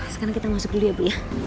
sekarang kita masuk dulu ya bu ya